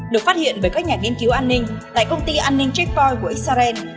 được phát hiện bởi các nhà nghiên cứu an ninh tại công ty an ninh check point của xrn